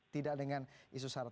tidak dengan isu saran